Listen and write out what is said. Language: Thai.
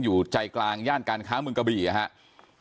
อยู่ใจกลางย่านการค้าเมืองกระบี่นะครับ